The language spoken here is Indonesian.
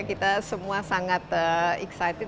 kita semua sangat excited